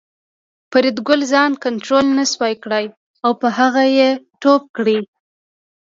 فریدګل ځان کنترول نشو کړای او په هغه یې ټوپ کړ